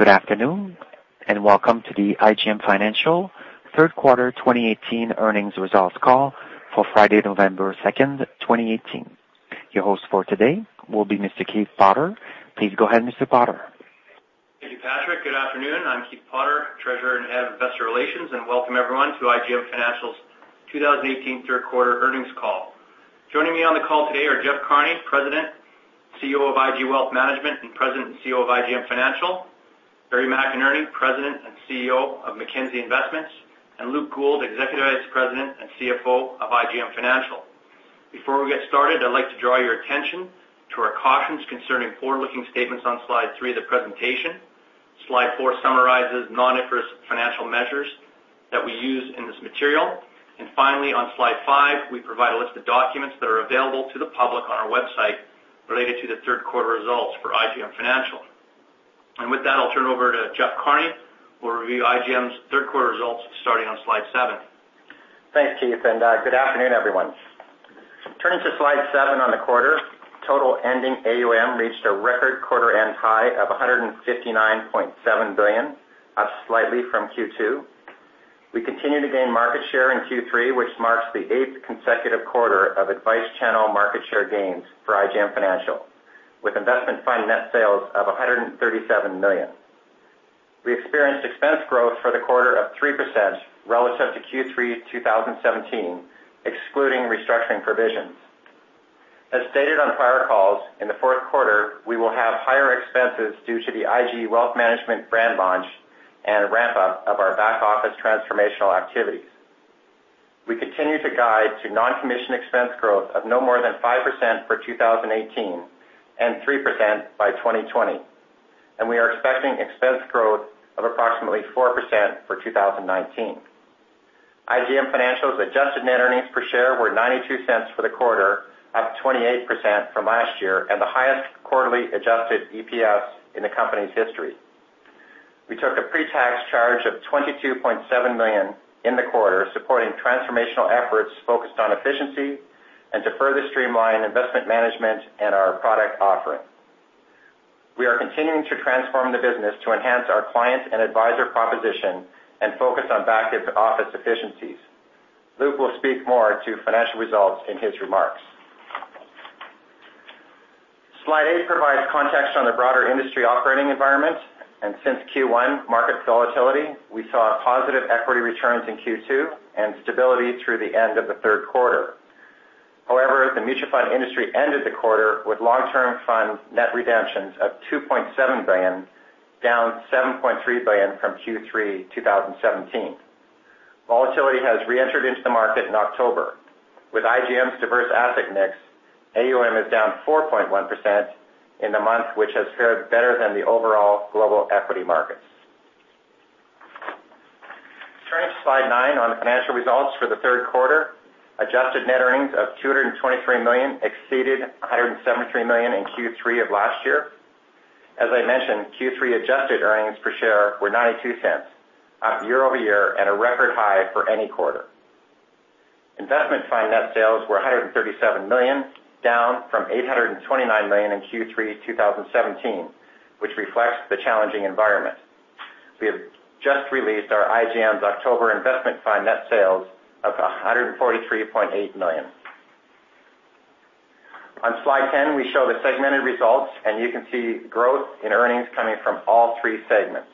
Good afternoon, and welcome to the IGM Financial Q3 2018 Earnings Results Call for Friday, November 2, 2018. Your host for today will be Mr. Keith Potter. Please go ahead, Mr. Potter. Thank you, Patrick. Good afternoon. I'm Keith Potter, Treasurer and Head of Investor Relations, and welcome everyone to IGM Financial's 2018 Q3 Earnings Call. Joining me on the call today are Jeff Carney, President, CEO of IG Wealth Management, and President and CEO of IGM Financial, Barry McInerney, President and CEO of Mackenzie Investments, and Luke Gould, Executive Vice President and CFO of IGM Financial. Before we get started, I'd like to draw your attention to our cautions concerning forward-looking statements on slide three of the presentation. Slide four summarizes non-IFRS financial measures that we use in this material. Finally, on slide five, we provide a list of documents that are available to the public on our website related to the Q3 results for IGM Financial. And with that, I'll turn it over to Jeff Carney, who will review IGM's Q3 results, starting on slide seven. Thanks, Keith, and good afternoon, everyone. Turning to slide seven on the quarter, total ending AUM reached a record quarter end high of 159.7 billion, up slightly from Q2. We continued to gain market share in Q3, which marks the eighth consecutive quarter of advice channel market share gains for IGM Financial, with investment fund net sales of 137 million. We experienced expense growth for the quarter of 3% relative to Q3 2017, excluding restructuring provisions. As stated on prior calls, in the Q4, we will have higher expenses due to the IG Wealth Management brand launch and ramp-up of our back-office transformational activities. We continue to guide to non-commission expense growth of no more than 5% for 2018, and 3% by 2020, and we are expecting expense growth of approximately 4% for 2019. IGM Financial's adjusted net EPS were 0.92 for the quarter, up 28% from last year, and the highest quarterly adjusted EPS in the company's history. We took a pre-tax charge of 22.7 million in the quarter, supporting transformational efforts focused on efficiency and to further streamline investment management and our product offering. We are continuing to transform the business to enhance our client and advisor proposition and focus on back-office efficiencies. Luke will speak more to financial results in his remarks. Slide eight provides context on the broader industry operating environment, and since Q1 market volatility, we saw positive equity returns in Q2 and stability through the end of the Q3. However, the mutual fund industry ended the quarter with long-term fund net redemptions of 2.7 billion, down 7.3 billion from Q3 2017. Volatility has reentered into the market in October. With IGM's diverse asset mix, AUM is down 4.1% in the month, which has fared better than the overall global equity markets. Turning to slide nine, on the financial results for the Q3, adjusted net earnings of CAD 223 million exceeded CAD 173 million in Q3 of last year. As I mentioned, Q3 Adjusted EPS were 0.92, up year-over-year at a record high for any quarter. Investment fund net sales were 137 million, down from 829 million in Q3 2017, which reflects the challenging environment. We have just released our IGM's October investment fund net sales of 143.8 million. On slide 10, we show the segmented results, and you can see growth in earnings coming from all three segments.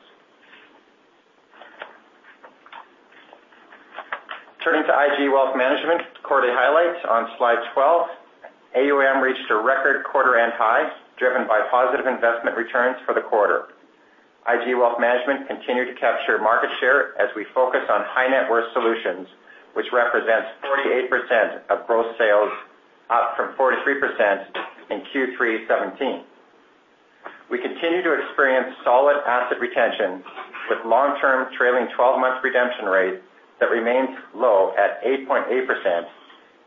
Turning to IG Wealth Management quarterly highlights on slide 12, AUM reached a record quarter-end high, driven by positive investment returns for the quarter. IG Wealth Management continued to capture market share as we focus on high net worth solutions, which represents 48% of gross sales, up from 43% in Q3 2017. We continue to experience solid asset retention with long-term trailing twelve-month redemption rate that remains low at 8.8%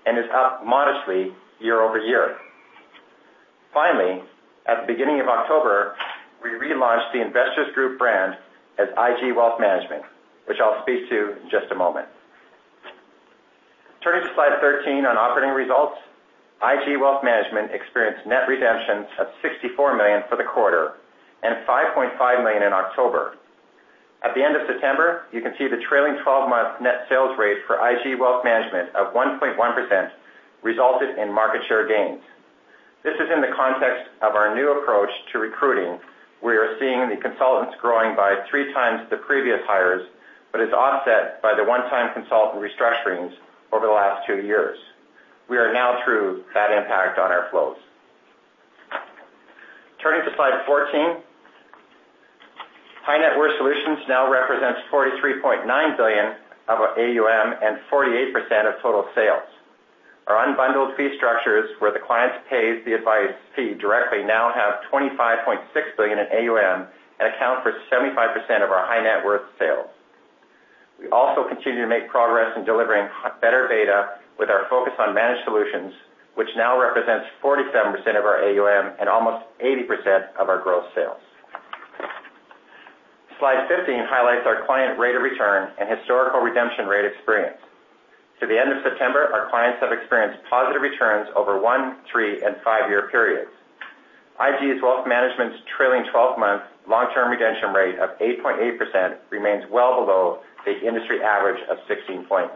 and is up modestly year-over-year. Finally, at the beginning of October, we relaunched the Investors Group brand as IG Wealth Management, which I'll speak to in just a moment. Turning to slide 13 on operating results, IG Wealth Management experienced net redemptions of 64 million for the quarter and 5.5 million in October. At the end of September, you can see the trailing 12-month net sales rate for IG Wealth Management of 1.1% resulted in market share gains. This is in the context of our new approach to recruiting. We are seeing the consultants growing by three times the previous hires, but it's offset by the one-time consultant restructurings over the last 2years. We are now through that impact on our flows. Turning to slide 14, high net worth solutions now represents 43.9 billion of our AUM and 48% of total sales. Our unbundled fee structures, where the client pays the advice fee directly, now have 25.6 billion in AUM and account for 75% of our high net worth sales. We also continue to make progress in delivering better data with our focus on managed solutions, which now represents 47% of our AUM and almost 80% of our gross sales. Slide 15 highlights our client rate of return and historical redemption rate experience. To the end of September, our clients have experienced positive returns over one, three, and five-year periods. IG Wealth Management's trailing 12-month long-term redemption rate of 8.8% remains well below the industry average of 16.9%.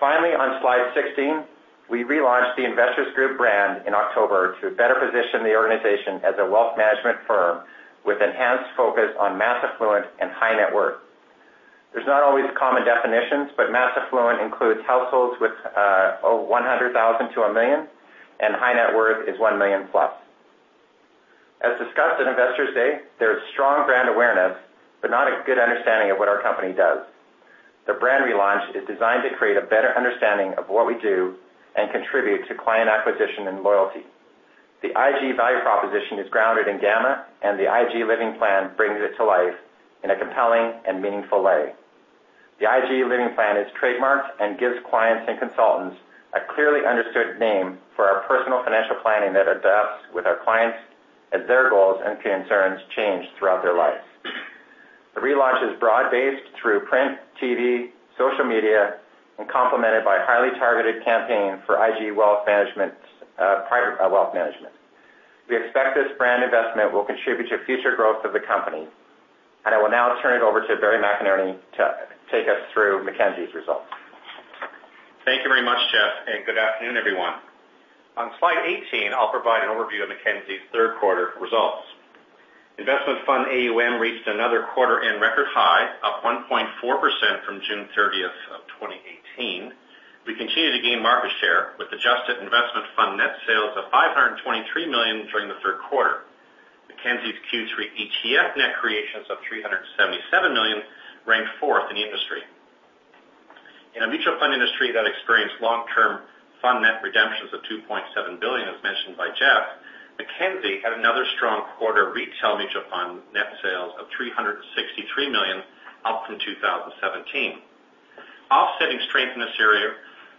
Finally, on Slide 16, we relaunched the Investors Group brand in October to better position the organization as a wealth management firm with enhanced focus on mass affluent and high net worth. There's not always common definitions, but mass affluent includes households with 100,000 to 1 million, and high net worth is one million plus. As discussed in Investors Day, there is strong brand awareness, but not a good understanding of what our company does. The brand relaunch is designed to create a better understanding of what we do and contribute to client acquisition and loyalty. The IG value proposition is grounded in gamma, and the IG Living Plan brings it to life in a compelling and meaningful way. The IG Living Plan is trademarked and gives clients and consultants a clearly understood name for our personal financial planning that adapts with our clients as their goals and concerns change throughout their lives. The relaunch is broad-based through print, TV, social media, and complemented by a highly targeted campaign for IG Wealth Management's private wealth management. We expect this brand investment will contribute to future growth of the company, and I will now turn it over to Barry McInerney to take us through Mackenzie's results. Thank you very much, Jeff, and good afternoon, everyone. On slide 18, I'll provide an overview of Mackenzie's Q3 results. Investment Fund AUM reached another quarter-end record high, up 1.4% from June 30, 2018. We continue to gain market share with adjusted investment fund net sales of 523 million during the Q3. Mackenzie's Q3 ETF net creations of 377 million ranked fourth in the industry. In a mutual fund industry that experienced long-term fund net redemptions of 2.7 billion, as mentioned by Jeff, Mackenzie had another strong quarter of retail mutual fund net sales of 363 million, up from 2017. Offsetting strength in this area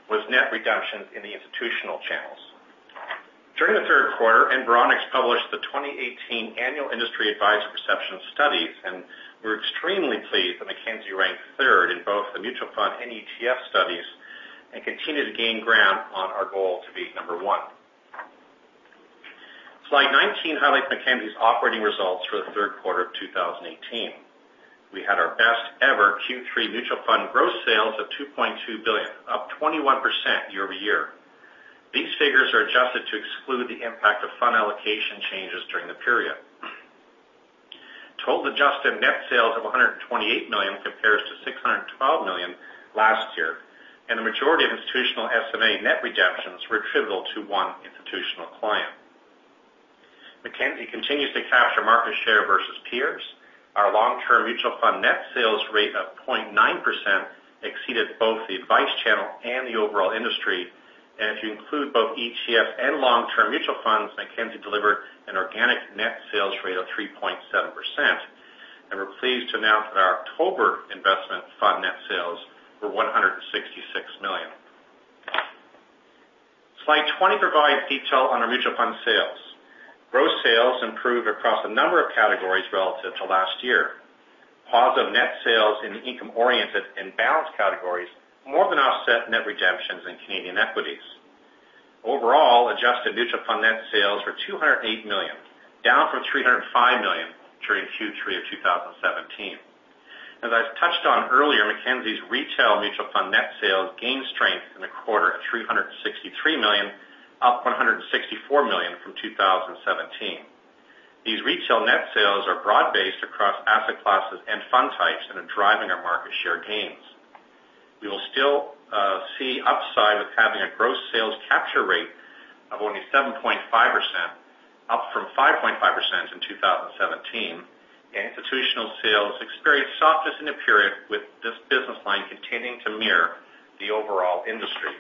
was net redemption in the institutional channels. During the Q3, Environics published the 2018 Annual Industry Advisor Perception Studies, and we're extremely pleased that Mackenzie ranked third in both the mutual fund and ETF studies, and continued to gain ground on our goal to be number one. Slide 19 highlights Mackenzie's operating results for the Q3 of 2018. We had our best ever Q3 mutual fund gross sales of 2.2 billion, up 21% year-over-year. These figures are adjusted to exclude the impact of fund allocation changes during the period. Total adjusted net sales of 128 million compares to 612 million last year, and the majority of institutional SMA net redemptions were attributable to one institutional client. Mackenzie continues to capture market share versus peers. Our long-term mutual fund net sales rate of 0.9% exceeded both the advice channel and the overall industry. And if you include both ETF and long-term mutual funds, Mackenzie delivered an organic net sales rate of 3.7%. And we're pleased to announce that our October investment fund net sales were 166 million. Slide 20 provides detail on our mutual fund sales. Gross sales improved across a number of categories relative to last year. Positive net sales in the income-oriented and balanced categories more than offset net redemptions in Canadian equities. Overall, adjusted mutual fund net sales were 208 million, down from 305 million during Q3 of 2017. As I've touched on earlier, Mackenzie's retail mutual fund net sales gained strength in the quarter at 363 million, up 164 million from 2017. These retail net sales are broad-based across asset classes and fund types and are driving our market share gains. We will still see upside with having a gross sales capture rate of only 7.5%, up from 5.5% in 2017, and institutional sales experienced softness in the period, with this business line continuing to mirror the overall industry.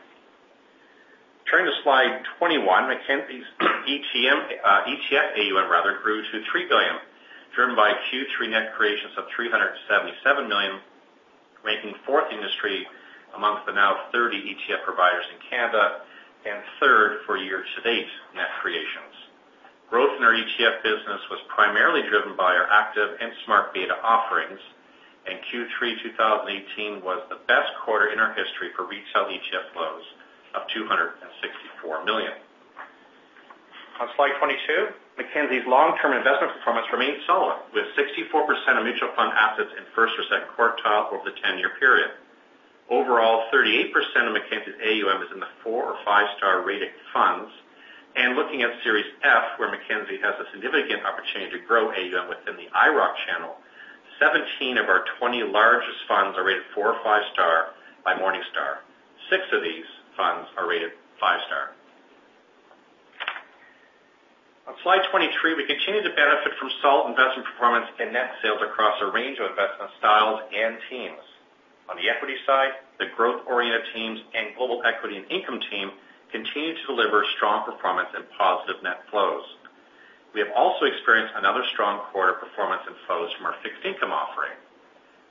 Turning to slide 21, Mackenzie's ETF AUM rather grew to 3 billion, driven by Q3 net creations of 377 million, ranking fourth in the industry amongst the now 30 ETF providers in Canada and third for year-to-date net creations. Growth in our ETF business was primarily driven by our active and smart beta offerings, and Q3 2018 was the best quarter in our history for retail ETF flows of 264 million. On slide 22, Mackenzie's long-term investment performance remains solid, with 64% of mutual fund assets in first or second quartile over the 10-year period. Overall, 38% of Mackenzie's AUM is in the four or five star rated funds. Looking at Series F, where Mackenzie has a significant opportunity to grow AUM within the IIROC channel, 17 of our 20 largest funds are rated four or five star by Morningstar. Six of these funds are rated 5-star. On slide 23, we continue to benefit from solid investment performance and net sales across a range of investment styles and teams. On the equity side, the growth-oriented teams and global equity and income team continue to deliver strong performance and positive net flows. We have also experienced another strong quarter of performance and flows from our fixed income offering.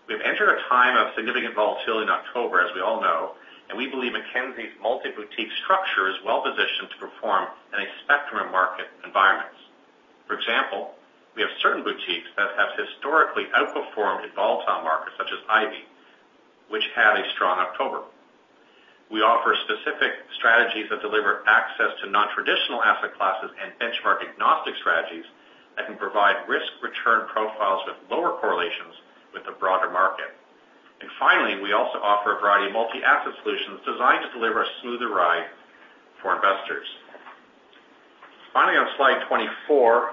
We've entered a time of significant volatility in October, as we all know, and we believe Mackenzie's multi-boutique structure is well positioned to perform in a spectrum of market environments. Boutiques that have historically outperformed in volatile markets, such as Ivy, which had a strong October. We offer specific strategies that deliver access to non-traditional asset classes and benchmark agnostic strategies that can provide risk-return profiles with lower correlations with the broader market. And finally, we also offer a variety of multi-asset solutions designed to deliver a smoother ride for investors. Finally, on slide 24,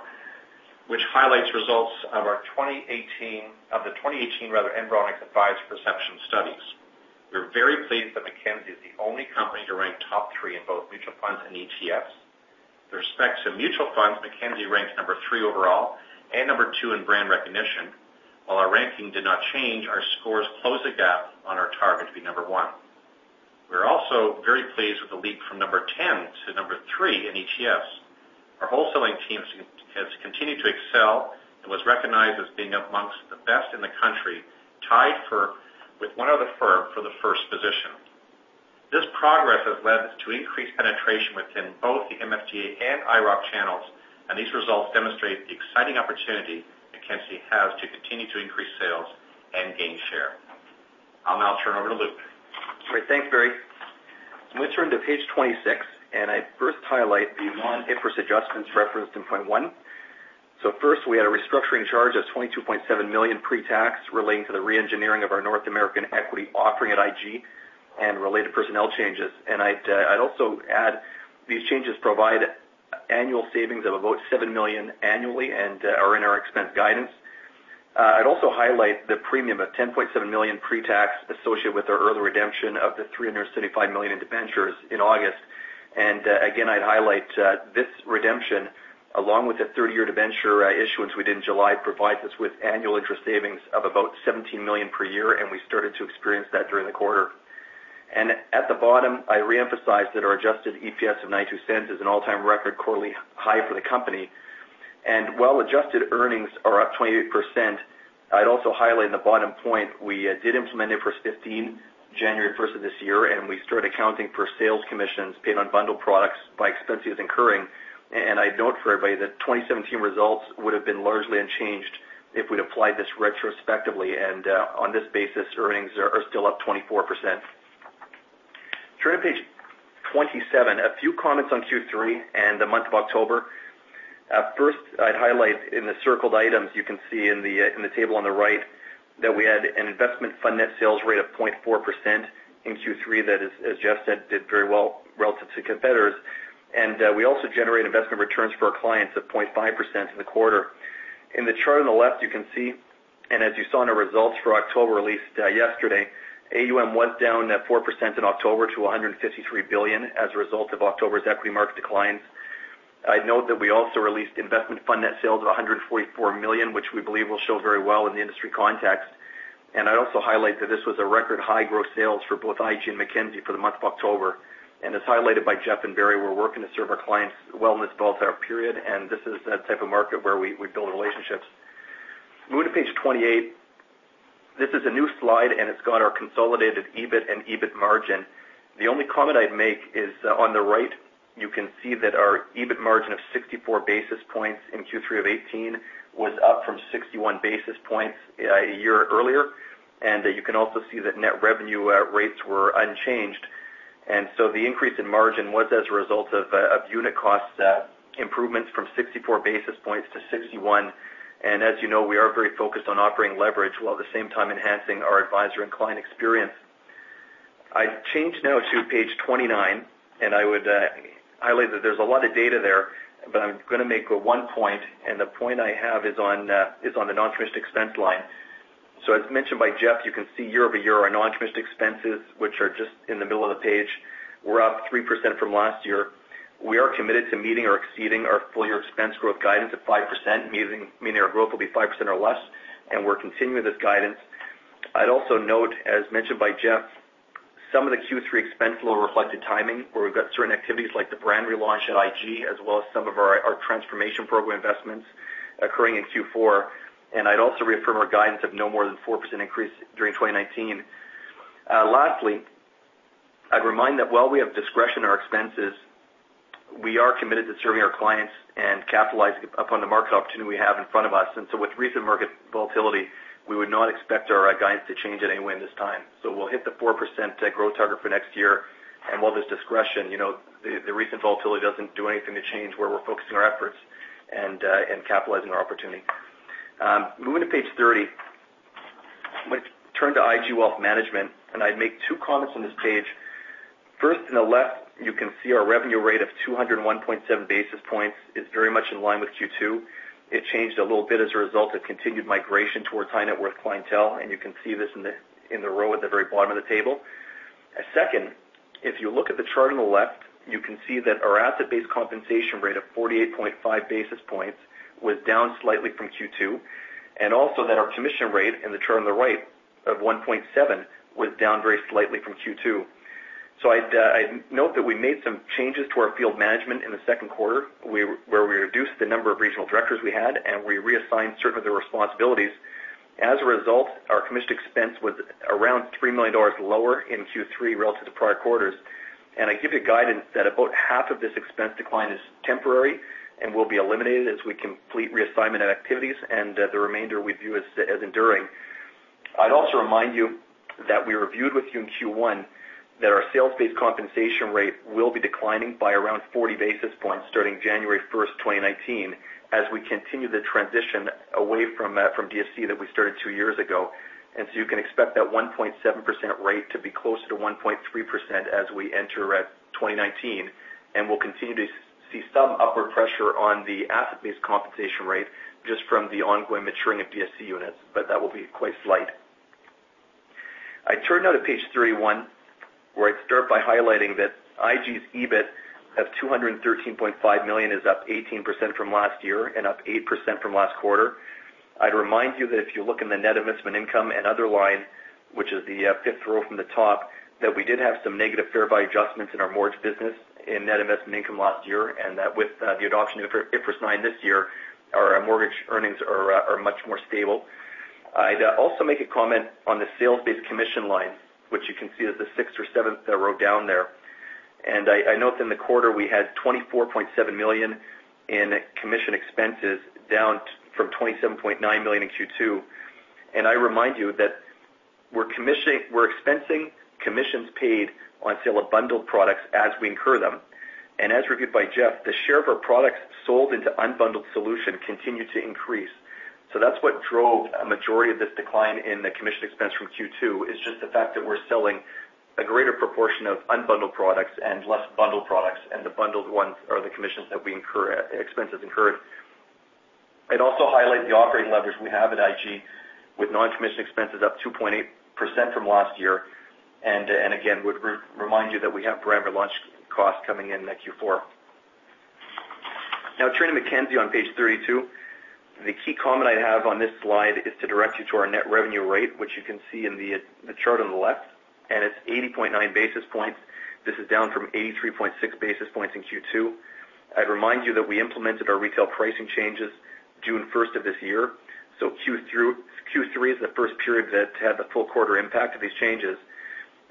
which highlights results of our 2018, of the 2018, rather, Environics Advisor Perception Studies. We're very pleased that Mackenzie is the only company to rank top three in both mutual funds and ETFs. With respect to mutual funds, Mackenzie ranked number three overall and number two in brand recognition. While our ranking did not change, our scores closed the gap on our target to be number 1. We're also very pleased with the leap from number 10 to number three in ETFs. Our wholesaling team has continued to excel and was recognized as being among the best in the country, tied for with one other firm for the first position. This progress has led to increased penetration within both the MFDA and IROC channels, and these results demonstrate the exciting opportunity Mackenzie has to continue to increase sales and gain share. I'll now turn over to Luke. Great. Thanks, Barry. I'm going to turn to page 26, and I'd first highlight the non-IFRS adjustments referenced in point one. So first, we had a restructuring charge of 22.7 million pre-tax, relating to the reengineering of our North American equity offering at IG and related personnel changes. And I'd also add, these changes provide annual savings of about 7 million annually and are in our expense guidance. I'd also highlight the premium of 10.7 million pre-tax associated with our early redemption of the 375 million debentures in August. And, again, I'd highlight, this redemption, along with the 30-year debenture issuance we did in July, provides us with annual interest savings of about 17 million per year, and we started to experience that during the quarter. At the bottom, I reemphasize that our Adjusted EPS of 0.92 is an all-time record quarterly high for the company. And while adjusted earnings are up 28%, I'd also highlight in the bottom point, we did implement IFRS 15, January 1, 2018, and we started accounting for sales commissions paid on bundled products by expenses incurring. And I'd note for everybody that 2017 results would have been largely unchanged if we'd applied this retrospectively, and on this basis, earnings are still up 24%. Turning to page 27, a few comments on Q3 and the month of October. First, I'd highlight in the circled items, you can see in the table on the right, that we had an investment fund net sales rate of 0.4% in Q3. That is, as Jeff said, did very well relative to competitors. And we also generated investment returns for our clients of 0.5% in the quarter. In the chart on the left, you can see, and as you saw in our results for October, released yesterday, AUM was down 4% in October to 153 billion as a result of October's equity market declines. I'd note that we also released investment fund net sales of 144 million, which we believe will show very well in the industry context. And I'd also highlight that this was a record high gross sales for both IG and Mackenzie for the month of October. As highlighted by Jeff and Barry, we're working to serve our clients well in this volatile period, and this is the type of market where we build relationships. Moving to page 28. This is a new slide, and it's got our consolidated EBIT and EBIT margin. The only comment I'd make is, on the right, you can see that our EBIT margin of 64 basis points in Q3 of 2018 was up from 61 basis points, a year earlier. You can also see that net revenue rates were unchanged. So the increase in margin was as a result of, of unit cost improvements from 64 basis points to 61. As you know, we are very focused on operating leverage, while at the same time enhancing our advisor and client experience. I'd change now to page 29, and I would highlight that there's a lot of data there, but I'm going to make one point, and the point I have is on the non-interest expense line. So as mentioned by Jeff, you can see year-over-year, our non-interest expenses, which are just in the middle of the page, were up 3% from last year. We are committed to meeting or exceeding our full-year expense growth guidance of 5%, meaning our growth will be 5% or less, and we're continuing this guidance. I'd also note, as mentioned by Jeff, some of the Q3 expense load reflected timing, where we've got certain activities like the brand relaunch at IG, as well as some of our transformation program investments occurring in Q4. And I'd also reaffirm our guidance of no more than 4% increase during 2019. Lastly, I'd remind that while we have discretion on our expenses, we are committed to serving our clients and capitalizing upon the market opportunity we have in front of us. And so with recent market volatility, we would not expect our guidance to change in any way in this time. So we'll hit the 4% growth target for next year. And while there's discretion, you know, the recent volatility doesn't do anything to change where we're focusing our efforts and capitalizing our opportunity. Moving to page 30. Let's turn to IG Wealth Management, and I'd make two comments on this page. First, on the left, you can see our revenue rate of 201.7 basis points is very much in line with Q2. It changed a little bit as a result of continued migration towards High Net Worth clientele, and you can see this in the row at the very bottom of the table. Second, if you look at the chart on the left, you can see that our asset-based compensation rate of 48.5 basis points was down slightly from Q2, and also that our commission rate, in the chart on the right, of 1.7, was down very slightly from Q2. So I'd note that we made some changes to our field management in the Q2, where we reduced the number of regional directors we had, and we reassigned certain of their responsibilities. As a result, our commission expense was around 3 million dollars lower in Q3 relative to prior quarters. And I give you guidance that about half of this expense decline is temporary and will be eliminated as we complete reassignment of activities, and the remainder we view as enduring. I'd also remind you that we reviewed with you in Q1, that our sales-based compensation rate will be declining by around 40 basis points starting January 1, 2019, as we continue the transition away from DSC that we started two years ago. So you can expect that 1.7% rate to be closer to 1.3% as we enter 2019. And we'll continue to see some upward pressure on the asset-based compensation rate just from the ongoing maturing of DSC units, but that will be quite slight. I turn now to page 31, where I'd start by highlighting that IG's EBIT of 213.5 million is up 18% from last year and up 8% from last quarter. I'd remind you that if you look in the net investment income and other line, which is the fifth row from the top, that we did have some negative fair value adjustments in our mortgage business in net investment income last year, and that with the adoption of IFRS 9 this year, our mortgage earnings are much more stable. I'd also make a comment on the sales-based commission line, which you can see is the sixth or seventh row down there. I note in the quarter, we had 24.7 million in commission expenses, down from 27.9 million in Q2. I remind you that we're expensing commissions paid on sale of bundled products as we incur them. As reviewed by Jeff, the share of our products sold into unbundled solution continued to increase. So that's what drove a majority of this decline in the commission expense from Q2, is just the fact that we're selling a greater proportion of unbundled products and less bundled products, and the bundled ones are the commissions that we incur, expenses incurred. I'd also highlight the operating leverage we have at IG with non-commission expenses up 2.8% from last year, and, and again, would remind you that we have brand launch costs coming in Q4. Now turning to Mackenzie on page 32. The key comment I have on this slide is to direct you to our net revenue rate, which you can see in the chart on the left, and it's 80.9 basis points. This is down from 83.6 basis points in Q2. I'd remind you that we implemented our retail pricing changes June 1, 2018, so Q2 through Q3 is the first period that had the full quarter impact of these changes.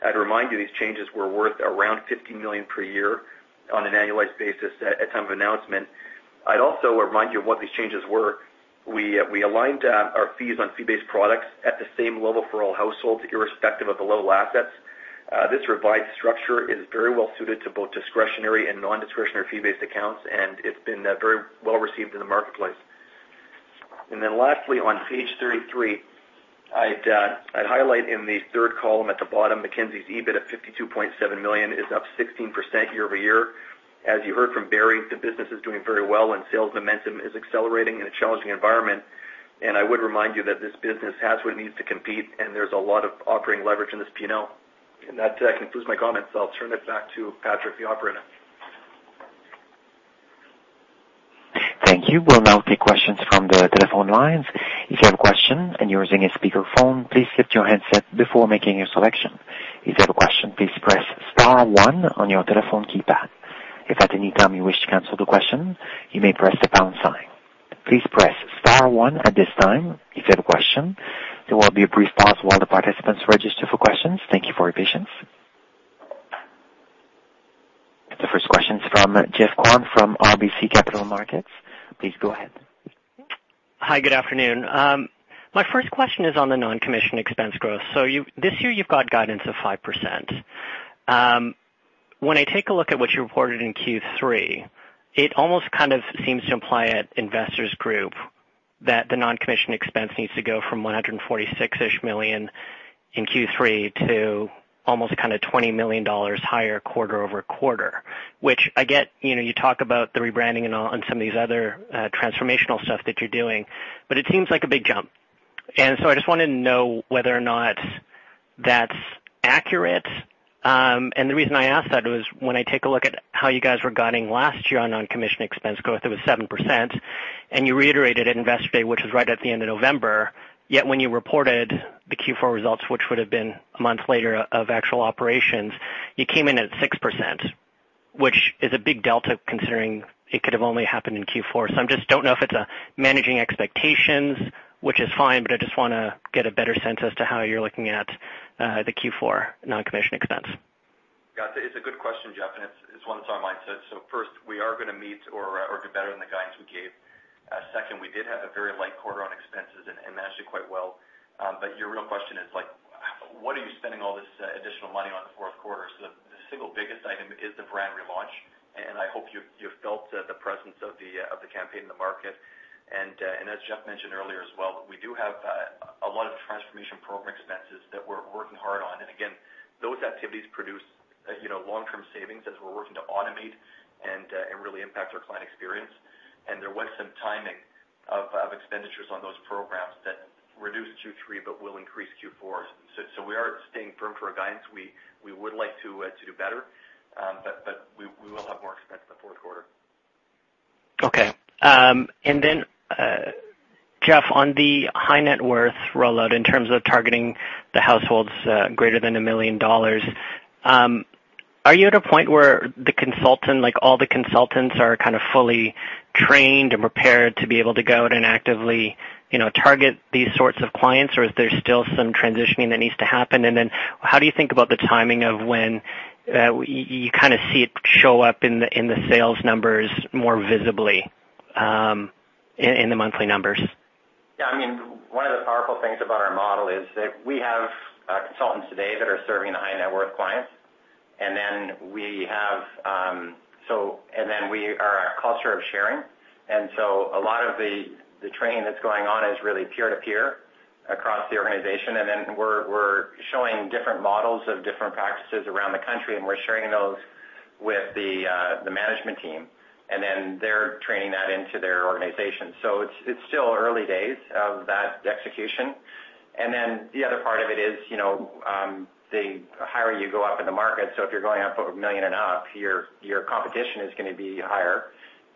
I'd remind you these changes were worth around 50 million per year on an annualized basis at time of announcement. I'd also remind you of what these changes were. We aligned our fees on fee-based products at the same level for all households, irrespective of the level of assets. This revised structure is very well suited to both discretionary and non-discretionary fee-based accounts, and it's been very well received in the marketplace. And then lastly, on page 33, I'd highlight in the third column at the bottom, Mackenzie's EBIT of 52.7 million is up 16% year-over-year. As you heard from Barry, the business is doing very well, and sales momentum is accelerating in a challenging environment. And I would remind you that this business has what it needs to compete, and there's a lot of operating leverage in this P&L. And that concludes my comments. I'll turn it back to Patrick, the operator. Thank you. We'll now take questions from the telephone lines. If you have a question and you're using a speakerphone, please mute your handset before making your selection. If you have a question, please press star one on your telephone keypad. If at any time you wish to cancel the question, you may press the pound sign. Please press star one at this time if you have a question. There will be a brief pause while the participants register for questions. Thank you for your patience. The first question is from Geoff Kwan from RBC Capital Markets. Please go ahead. Hi, good afternoon. My first question is on the non-commission expense growth. So you this year, you've got guidance of 5%. When I take a look at what you reported in Q3, it almost kind of seems to imply at Investors Group, that the non-commission expense needs to go from 146 million in Q3 to almost kind of 20 million dollars higher quarter-over-quarter. Which I get, you know, you talk about the rebranding and all on some of these other, transformational stuff that you're doing, but it seems like a big jump. And so I just wanted to know whether or not that's accurate. And the reason I ask that was when I take a look at how you guys were guiding last year on non-commission expense growth, it was 7%, and you reiterated at Investor Day, which was right at the end of November. Yet when you reported the Q4 results, which would have been a month later of actual operations, you came in at 6%, which is a big delta considering it could have only happened in Q4. So I just don't know if it's managing expectations, which is fine, but I just want to get a better sense as to how you're looking at the Q4 non-commission expense. Yeah, it's a good question, Geoff, and it's, it's one that's on my mind too. So first, we are going to meet or, or do better than the guidance we gave. Second, we did have a very light quarter on expenses and, and managed it quite well. But your real question is like, what are you spending all this additional money on the Q4? So the single biggest item is the brand relaunch, and I hope you've, you've felt the presence of the campaign in the market. And as Jeff mentioned earlier as well, we do have a lot of transformation program expenses that we're working hard on. And again, those activities produce, you know, long-term savings as we're working to automate and really impact our client experience. There was some timing of expenditures on those programs that reduced Q3 but will increase Q4. So we are staying firm to our guidance. We would like to do better, but we will have more expense in the Q4. Okay. And then, Jeff, on the high-net-worth rollout in terms of targeting the households greater than 1 million dollars, are you at a point where the consultant, like all the consultants, are kind of fully trained and prepared to be able to go out and actively, you know, target these sorts of clients? Or is there still some transitioning that needs to happen? And then how do you think about the timing of when you kind of see it show up in the sales numbers more visibly in the monthly numbers? Yeah, I mean, one of the powerful things about our model is that we have consultants today that are serving the high net worth clients, and then we have. So, and then we are a culture of sharing, and so a lot of the training that's going on is really peer-to-peer across the organization. And then we're showing different models of different practices around the country, and we're sharing those with the management team, and then they're training that into their organization. So it's still early days of that execution. And then the other part of it is, you know, the higher you go up in the market, so if you're going up over 1 million and up, your competition is going to be higher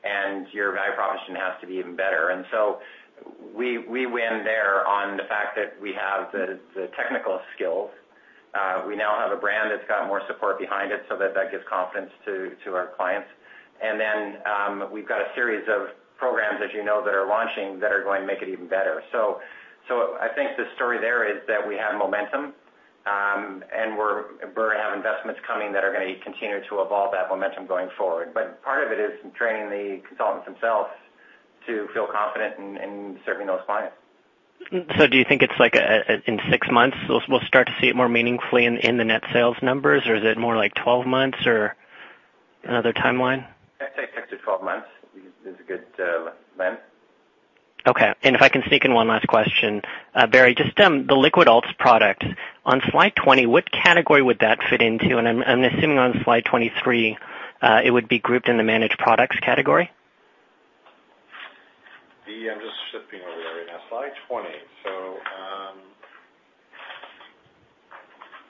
and your value proposition has to be even better. And so we win there on the fact that we have the technical skills. We now have a brand that's got more support behind it, so that gives confidence to our clients. And then we've got a series of programs, as you know, that are launching, that are going to make it even better. So I think the story there is that we have momentum, and we're going to have investments coming that are going to continue to evolve that momentum going forward. But part of it is training the consultants themselves to feel confident in serving those clients. Do you think it's like, in six months we'll start to see it more meaningfully in the net sales numbers, or is it more like 12 months or another timeline? I'd say six to 12 months is a good length. Okay. And if I can sneak in one last question. Barry, just, the liquid alts product, on slide 20, what category would that fit into? And I'm assuming on slide 23, it would be grouped in the managed products category. I'm just flipping over right now. Slide 20. So,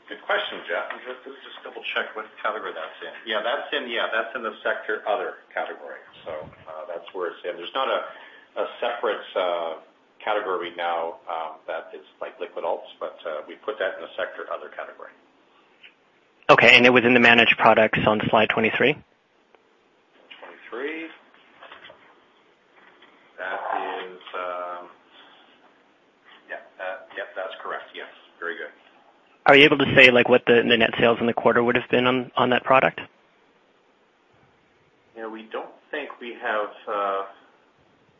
good question, Geoff. Let me just double-check what category that's in. Yeah, that's in the sector other category. So, that's where it's in. There's not a separate category now that is like liquid alts, but we put that in the sector other category. Okay, and it was in the managed products on slide 23? 23. That is, yeah, yep, that's correct. Yes, very good. Are you able to say, like, what the net sales in the quarter would have been on that product? Yeah, we don't think we have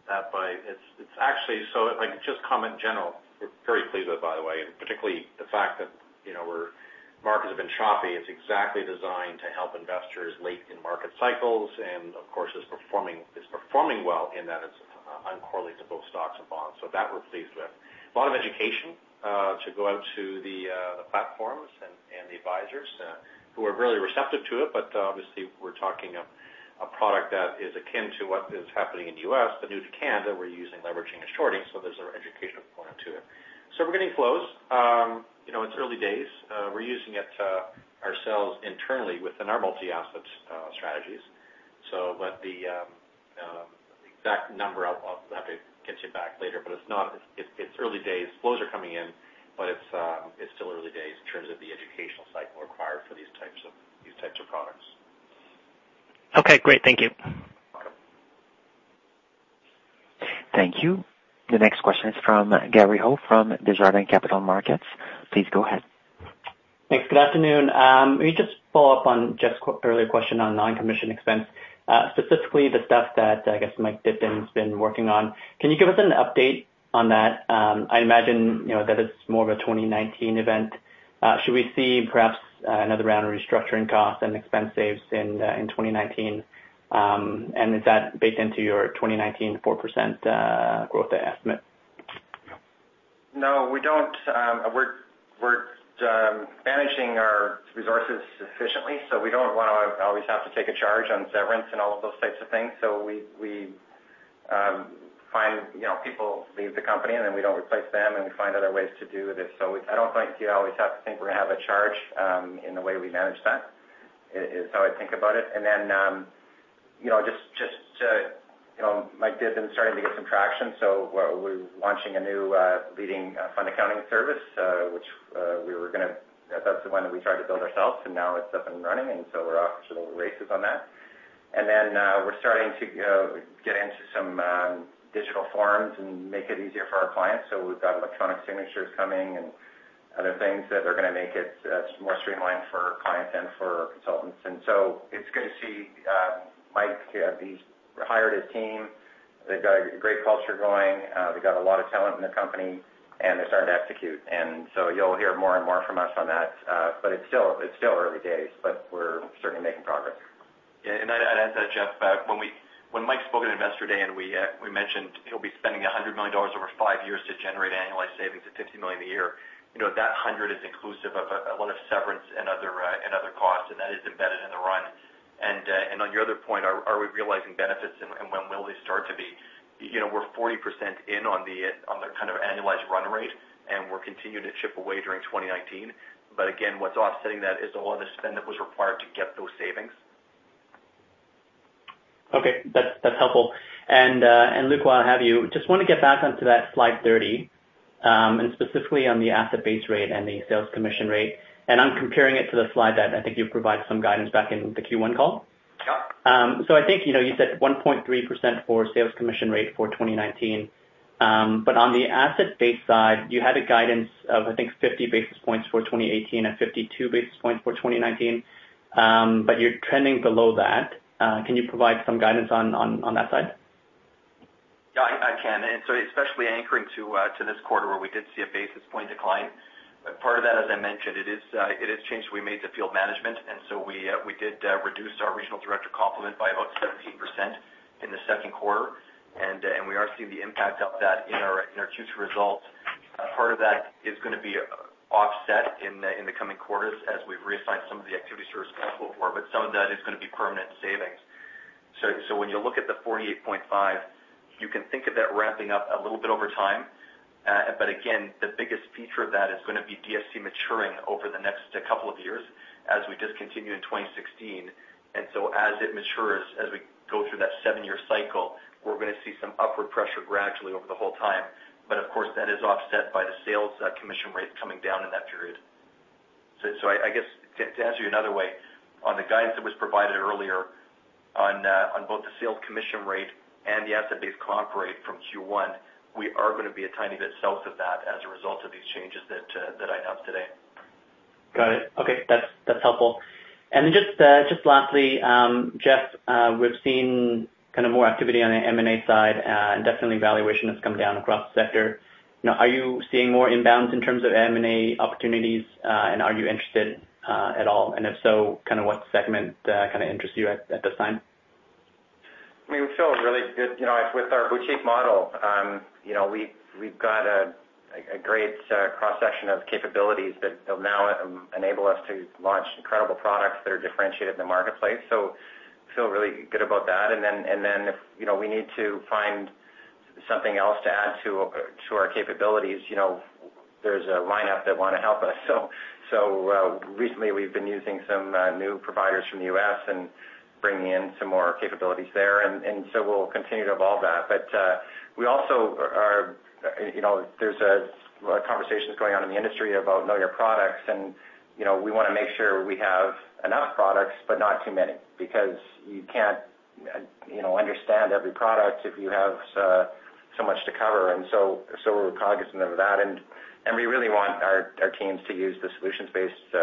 that. It's, it's actually. So, like, just comment in general, we're very pleased with it, by the way, and particularly the fact that, you know, markets have been choppy. It's exactly designed to help investors late in market cycles, and of course, is performing, is performing well in that it's uncorrelated to both stocks and bonds. So that we're pleased with. A lot of education to go out to the platforms and the advisors who are really receptive to it. But obviously, we're talking a product that is akin to what is happening in the US, but new to Canada, we're using leveraging and shorting, so there's an educational component to it. So we're getting flows. You know, it's early days. We're using it ourselves internally within our multi-asset strategies. But the exact number, I'll have to get you back later, but it's not, it's early days. Flows are coming in, but it's still early days in terms of the educational cycle required for these types of, these types of products. Okay, great. Thank you. Thank you. The next question is from Gary Ho from Desjardins Capital Markets. Please go ahead. Thanks. Good afternoon. Let me just follow up on Geoff's earlier question on non-commission expense, specifically the stuff that I guess Mike Dibden's been working on. Can you give us an update on that? I imagine, you know, that it's more of a 2019 event. Should we see perhaps another round of restructuring costs and expense saves in 2019? And is that baked into your 2019 4% growth estimate? No, we don't. We're managing our resources efficiently, so we don't want to always have to take a charge on severance and all of those types of things. So we find, you know, people leave the company, and then we don't replace them, and we find other ways to do this. So I don't think you always have to think we're going to have a charge, in the way we manage that, is how I think about it. And then, you know, just to, you know, Mike Dibden's starting to get some traction, so we're launching a new leading fund accounting service, which that's the one that we tried to build ourselves, and now it's up and running, and so we're off to the races on that. And then, we're starting to get into some digital forms and make it easier for our clients. So we've got electronic signatures coming and other things that are going to make it more streamlined for our clients and for our consultants. And so it's good to see Mike, he's hired a team. They've got a great culture going. They've got a lot of talent in the company, and they're starting to execute. And so you'll hear more and more from us on that. But it's still, it's still early days, but we're certainly making progress. Yeah, and I'd add to that, Jeff, back when Mike spoke at Investor Day, and we, we mentioned he'll be spending 100 million dollars over five years to generate annualized savings of 50 million a year, you know, that hundred is inclusive of a, a lot of severance and other, and other costs, and that is embedded in the run. And, and on your other point, are we realizing benefits, and when will they start to be? You know, we're 40% in on the, on the kind of annualized run rate, and we're continuing to chip away during 2019. But again, what's offsetting that is all the spend that was required to get those savings. Okay, that's, that's helpful. And, and Luke, while I have you, just want to get back onto that slide 30, and specifically on the asset base rate and the sales commission rate. And I'm comparing it to the slide that I think you provided some guidance back in the Q1 call. Yep. So I think, you know, you said 1.3% for sales commission rate for 2019. But on the asset base side, you had a guidance of, I think, 50 basis points for 2018 and 52 basis points for 2019. But you're trending below that. Can you provide some guidance on that side? Yeah, I can. And so especially anchoring to this quarter, where we did see a basis point decline. Part of that, as I mentioned, it is changed. We made the field management, and so we did reduce our regional director complement by about 17% in the Q2, and we are seeing the impact of that in our Q2 results. Part of that is going to be offset in the coming quarters as we've reassigned some of the activities they're responsible for, but some of that is going to be permanent savings. So when you look at the 48.5, you can think of that ramping up a little bit over time. But again, the biggest feature of that is going to be DSC maturing over the next couple of years as we just continue in 2016. And so as it matures, as we go through that seven-year cycle, we're going to see some upward pressure gradually over the whole time. But of course, that is offset by the sales, commission rate coming down in that period. So, so I guess, to, to answer you another way, on the guidance that was provided earlier on, on both the sales commission rate and the asset-based comp rate from Q1, we are going to be a tiny bit south of that as a result of these changes that, that I have today. Got it. Okay, that's, that's helpful. And then just lastly, Jeff, we've seen kind of more activity on the M&A side, and definitely valuation has come down across the sector. Now, are you seeing more inbounds in terms of M&A opportunities? And are you interested at all? And if so, kind of what segment kind of interests you at this time? I mean, we feel really good, you know, with our boutique model. You know, we've got a great cross-section of capabilities that will now enable us to launch incredible products that are differentiated in the marketplace. So feel really good about that. And then, if, you know, we need to find something else to add to our capabilities, you know, there's a lineup that want to help us. So recently we've been using some new providers from the US and bringing in some more capabilities there, and so we'll continue to evolve that. But, we also are, you know, there's conversations going on in the industry about know your products, and, you know, we want to make sure we have enough products, but not too many, because you can't, you know, understand every product if you have so much to cover. And so we're cognizant of that, and we really want our teams to use the solutions-based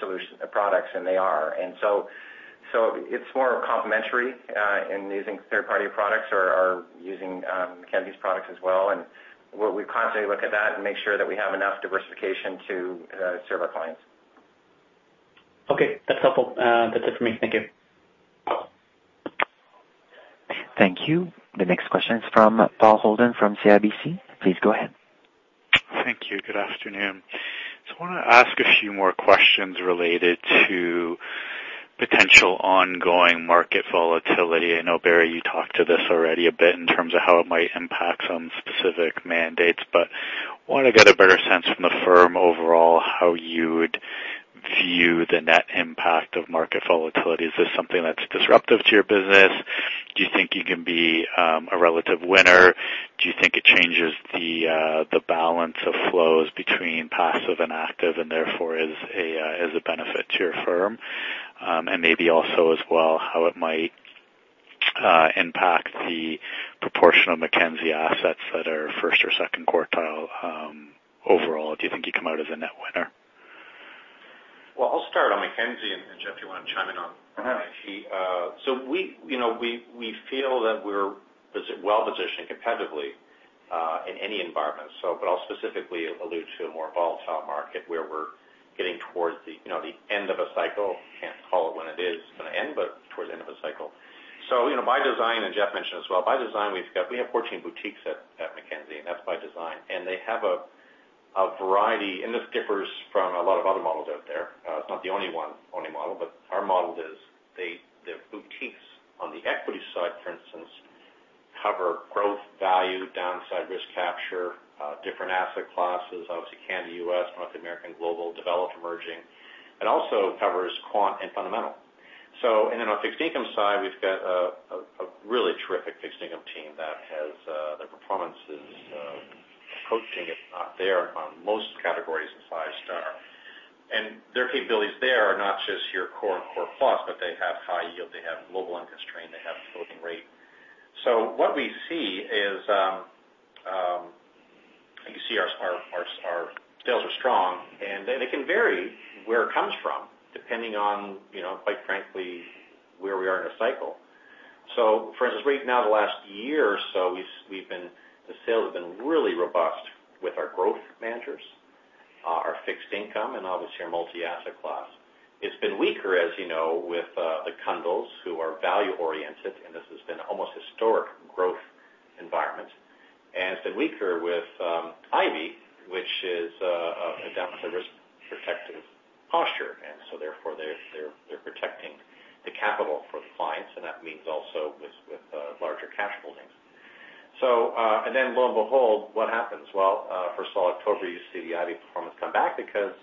solution products, and they are. And so it's more complementary in using third-party products or using Mackenzie's products as well. And we constantly look at that and make sure that we have enough diversification to serve our clients. Okay, that's helpful. That's it for me. Thank you. Thank you. The next question is from Paul Holden, from CIBC. Please go ahead. Thank you. Good afternoon. Just want to ask a few more questions related to potential ongoing market volatility. I know, Barry, you talked to this already a bit in terms of how it might impact some specific mandates, but want to get a better sense from the firm overall, how you would view the net impact of market volatility. Is this something that's disruptive to your business? Do you think you can be, a relative winner? Do you think it changes the, the balance of flows between passive and active, and therefore is a, is a benefit to your firm? And maybe also as well, how it might, impact the proportion of Mackenzie assets that are first or second quartile. Overall, do you think you come out as a net winner? Well, I'll start on Mackenzie, and Jeff, you want to chime in on, on HE. So we, you know, feel that we're well positioned competitively in any environment. So, but I'll specifically allude to a more volatile market, where we're getting towards the, you know, the end of a cycle. Can't call it when it is going to end, but towards the end of a cycle. So, you know, by design, and Jeff mentioned as well, by design, we have 14 boutiques at Mackenzie, and that's by design. And they have a variety, and this differs from a lot of other models out there. It's not the only one, only model, but our model is the boutiques on the equity side, for instance, cover growth, value, downside, risk capture, different asset classes, obviously, Canada, US, North American, Global, Developed, Emerging, and also covers quant and fundamental. So and then on fixed income side, we've got a really terrific fixed income team that has their performance is approaching, if not there, on most categories of Five Star. And their capabilities there are not just your core and core plus, but they have high yield, they have global unconstrained, they have floating rate. So what we see is, you see our sales are strong, and it can vary where it comes from, depending on, you know, quite frankly, where we are in a cycle. So for instance, right now, the last year or so, we've been... The sales have been really robust with our growth managers, our fixed income, and obviously, our multi-asset class. It's been weaker, as you know, with the Cundill, who are value-oriented, and this has been an almost historic growth environment. And it's been weaker with Ivy, which is a downside risk protective posture, and so therefore, they're protecting the capital for the clients, and that means also with larger cash holdings. So, and then lo and behold, what happens? Well, first of all, October, you see the Ivy performance come back because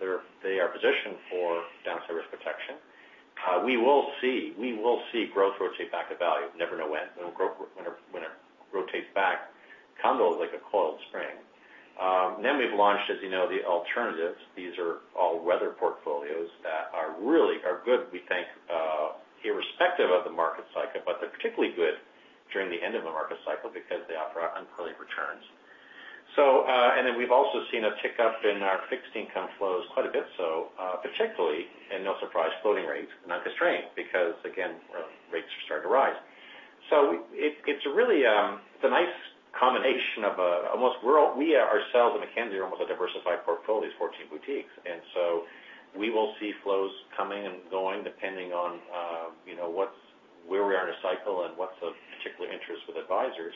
they're positioned for downside risk protection. We will see, we will see growth rotate back to value. Never know when growth, when it rotates back, Cundill is like a coiled spring. Then we've launched, as you know, the alternatives. These are all weather portfolios that are really good, we think, irrespective of the market cycle, but they're particularly good during the end of a market cycle because they offer uncorrelated returns. So, and then we've also seen a tick up in our fixed income flows quite a bit, so, particularly, and no surprise, floating rates, not constrained, because again, rates are starting to rise. So it's really a nice combination of almost we ourselves, at Mackenzie, are almost a diversified portfolio, 14 boutiques. And so we will see flows coming and going, depending on, you know, where we are in a cycle and what's of particular interest with advisors.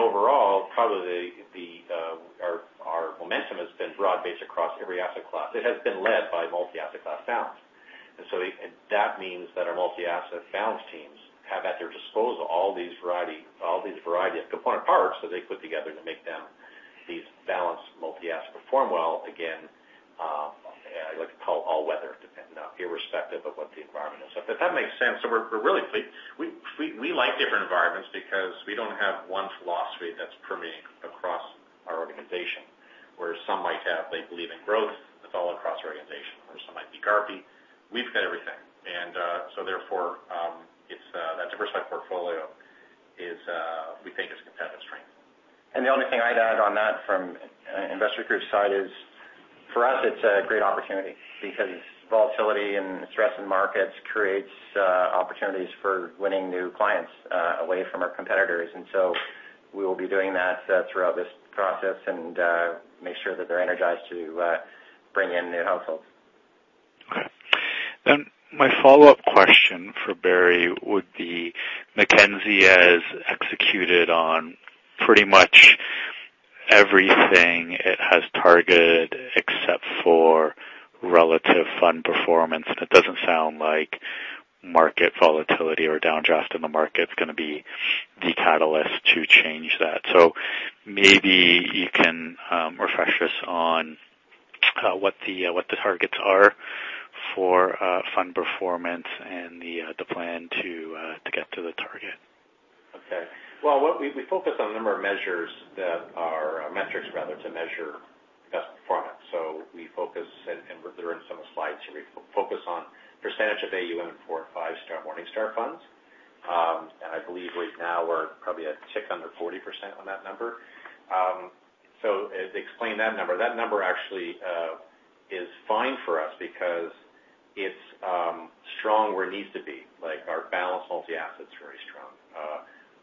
Overall, probably our momentum has been broad-based across every asset class. It has been led by multi-asset class balance. That means that our multi-asset balance teams have at their disposal all these variety of component parts that they put together to make these balanced multi-asset perform well. Again, I like to call all weather, depending, irrespective of what the environment is. If that makes sense, we're really we like different environments because we don't have one philosophy that's permeating across our organization, where some might have, they believe in growth, that's all across our organization, or some might be garpy. We've got everything, and so therefore, it's that diversified portfolio is we think is competitive strength. And the only thing I'd add on that from an Investors Group side is, for us, it's a great opportunity because volatility and stress in markets creates opportunities for winning new clients away from our competitors. And so we will be doing that throughout this process and make sure that they're energized to bring in new households. Okay. Then my follow-up question for Barry would be, Mackenzie has executed on pretty much everything it has targeted except for relative fund performance. That doesn't sound like market volatility or downdraft in the market is going to be the catalyst to change that. So maybe you can refresh us on what the targets are for fund performance and the plan to get to the target. Okay. Well, what we focus on a number of measures that are metrics, rather, to measure best performance. So we focus, and they're in some of the slides here, we focus on percentage of AUM four and five star Morningstar funds. And I believe we now are probably a tick under 40% on that number. So as to explain that number, that number actually is fine for us because it's strong where it needs to be, like our balanced multi-asset is very strong.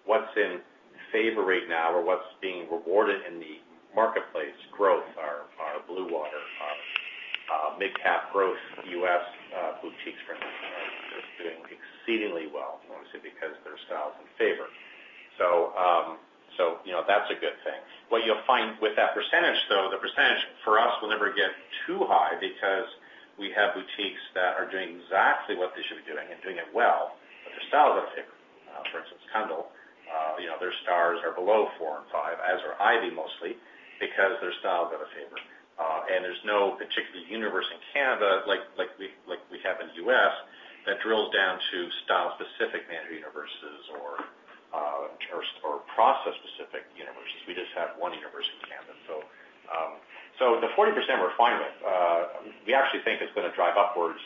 What's in favor right now or what's being rewarded in the marketplace, growth, our Bluewater mid-cap growth, US boutiques, for instance, are doing exceedingly well, obviously, because their style's in favor. So, you know, that's a good thing. What you'll find with that percentage, though, the percentage for us will never get too high because we have boutiques that are doing exactly what they should be doing and doing it well, but their style is out of favor. For instance, Cundill, you know, their stars are below four and five, as are Ivy, mostly, because their style's out of favor. And there's no particular universe in Canada, like we have in the US, that drills down to style-specific managed universes or, or process-specific universes. We just have one universe in Canada. So, the 40% we're fine with, we actually think it's going to drive upwards,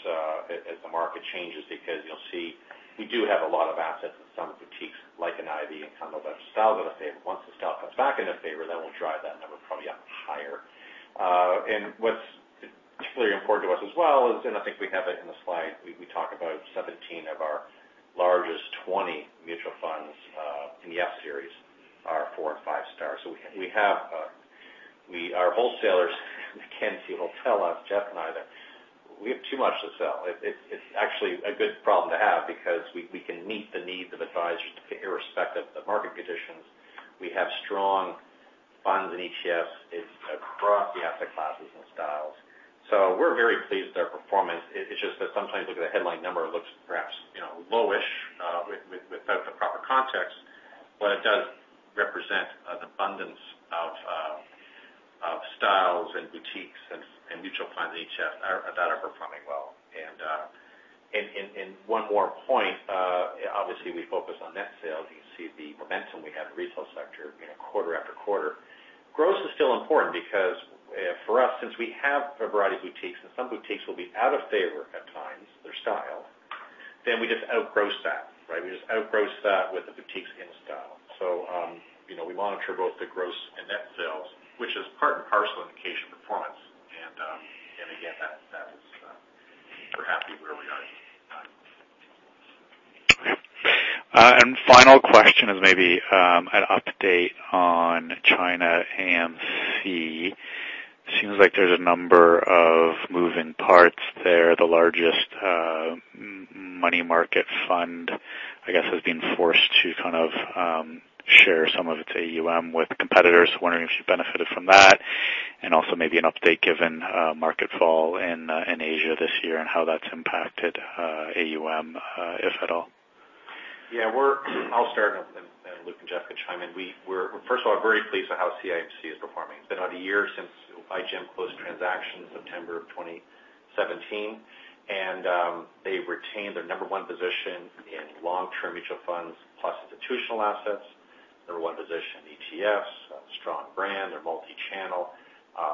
as the market changes, because you'll see, we do have a lot of assets in some boutiques, like in Ivy and Cundill, that are styles out of favor. Once the style comes back into favor, that will drive that number probably up higher. And what's particularly important to us as well is, and I think we have it in the slide, we talk about 17 of our largest 20 mutual funds in the S series are four and five stars. So our wholesalers at Mackenzie will tell us, Jeff and I, that we have too much to sell. It's actually a good problem to have because we can meet the needs of advisors, irrespective of market conditions. We have strong funds in ETFs. It's across the asset classes and styles. So we're very pleased with our performance. It's just that sometimes look at the headline number, it looks perhaps, you know, lowish, without the proper context, but it does represent an abundance of styles and boutiques and mutual funds, and ETFs that are performing well. And one more point, obviously, we focus on net sales. You can see the momentum we have in the retail sector, you know, quarter after quarter. Gross is still important because, for us, since we have a variety of boutiques, and some boutiques will be out of favor at times, their style, then we just outgross that, right? We just outgross that with the boutiques in the style. So, you know, we monitor both the gross and net sales, which is part and parcel indication performance. And again, that is, we're happy where we are. And final question is maybe an update on China AMC. Seems like there's a number of moving parts there. The largest money market fund, I guess, has been forced to kind of share some of its AUM with competitors. Wondering if you benefited from that? And also maybe an update, given market fall in in Asia this year, and how that's impacted AUM, if at all? Yeah, we're. I'll start, and then Luke and Jeff can chime in. We're, first of all, very pleased with how CIMC is performing. It's been about a year since IGM closed the transaction in September 2017, and they've retained their number one position in long-term mutual funds, plus institutional assets. Number one position in ETFs, a strong brand. They're multi-channel.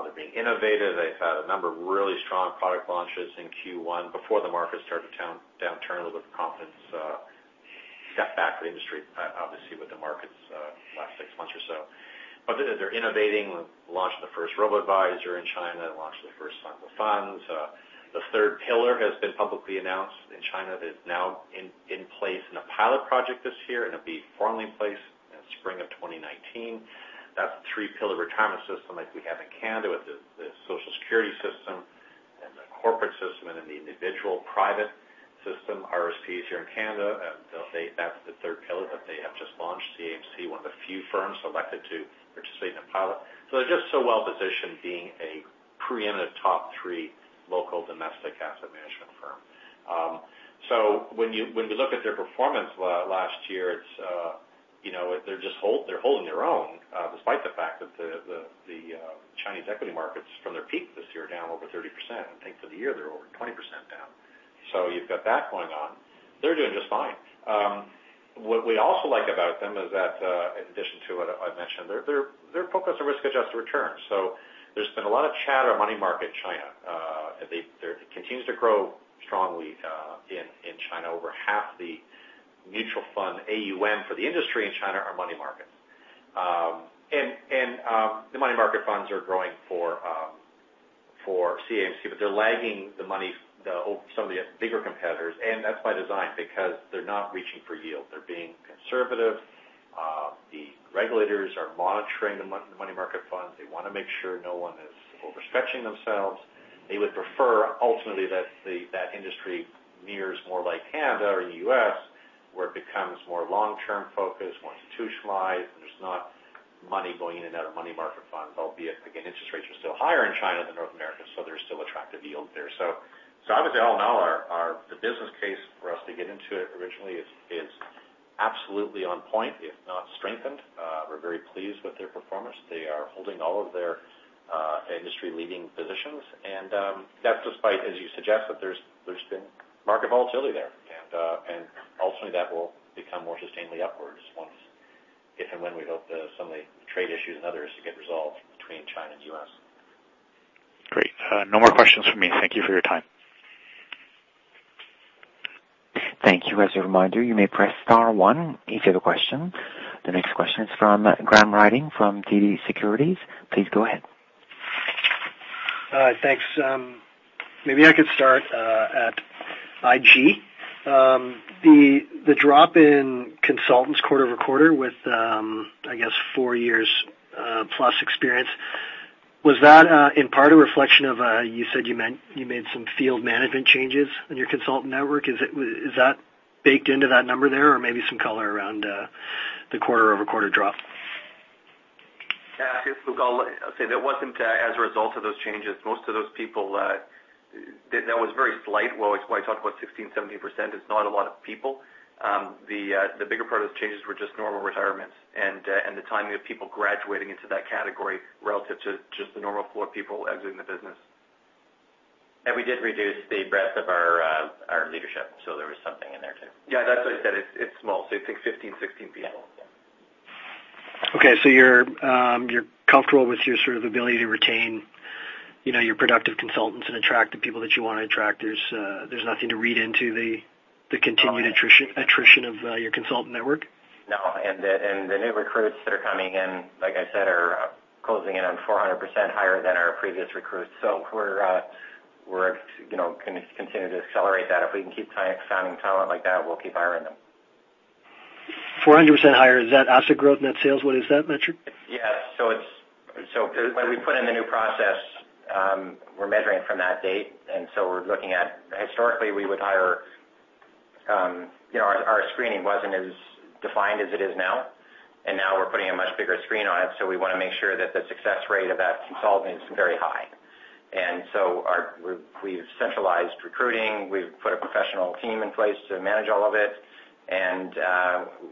They're being innovative. They've had a number of really strong product launches in Q1 before the market started to downturn, a little bit of confidence step back for the industry, obviously, with the markets last six months or so. But they're innovating, launched the first robo-advisor in China, and launched their first couple funds. The third pillar has been publicly announced in China, that is now in place in a pilot project this year, and it'll be formally in place in spring of 2019. That's a three-pillar retirement system like we have in Canada, with the Social Security system and the corporate system, and then the individual private system, RSPs here in Canada, and they'll say that's the third pillar that they have just launched. CIMC, one of the few firms selected to participate in the pilot. So they're just so well positioned, being a preeminent top three local domestic asset management firm. So when you, when you look at their performance last year, it's, you know, they're just holding their own, despite the fact that the Chinese equity markets from their peak this year, down over 30%. I think for the year, they're over 20% down. So you've got that going on. They're doing just fine. What we also like about them is that, in addition to what I mentioned, they're focused on risk-adjusted returns. So there's been a lot of chatter, money market in China. It continues to grow strongly, in China. Over half the mutual fund AUM for the industry in China are money markets. And the money market funds are growing for CIMC, but they're lagging the money funds of some of the bigger competitors, and that's by design, because they're not reaching for yield. They're being conservative. The regulators are monitoring the money market funds. They wanna make sure no one is overstretching themselves. They would prefer ultimately that the industry mirrors more like Canada or the US, where it becomes more long-term focused, more institutionalized, and there's not money going in and out of money market funds, albeit again, interest rates are still higher in China than North America, so there's still attractive yield there. So obviously all in all our business case for us to get into it originally is absolutely on point, if not strengthened. We're very pleased with their performance. They are holding all of their industry-leading positions, and that's despite, as you suggest, that there's been market volatility there. And ultimately, that will become more sustainably upwards once, if and when we hope that some of the trade issues and others to get resolved between China and the US. Great. No more questions from me. Thank you for your time. Thank you. As a reminder, you may press star one if you have a question. The next question is from Graham Ryding from TD Securities. Please go ahead. Thanks. Maybe I could start at IG. The drop in consultants quarter-over-quarter with, I guess, four years plus experience, was that in part a reflection of you said you meant you made some field management changes in your consultant network? Is it, is that baked into that number there, or maybe some color around the quarter-over-quarter drop? Yeah, I think, look, I'll say that wasn't as a result of those changes. Most of those people, that was very slight. Well, when I talk about 16%, 17%, it's not a lot of people. The bigger part of the changes were just normal retirements and the timing of people graduating into that category, relative to just the normal flow of people exiting the business. And we did reduce the breadth of our leadership, so there was something in there, too. Yeah, that's what I said. It's, it's small, so you think 15, 16 people. Yeah. Okay, so you're, you're comfortable with your sort of ability to retain, you know, your productive consultants and attract the people that you wanna attract. There's, there's nothing to read into the, the continued attrition, attrition of, your consultant network? No, the new recruits that are coming in, like I said, are closing in on 400% higher than our previous recruits. So we're, you know, gonna continue to accelerate that. If we can keep signing talent like that, we'll keep hiring them. 400% higher, is that asset growth, net sales? What is that metric? Yes. So it's, so when we put in the new process, we're measuring from that date, and so we're looking at. Historically, we would hire, you know, our screening wasn't as defined as it is now, and now we're putting a much bigger screen on it, so we wanna make sure that the success rate of that consultant is very high. And so we've centralized recruiting. We've put a professional team in place to manage all of it, and